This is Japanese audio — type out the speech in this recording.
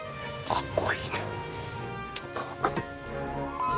かっこいい。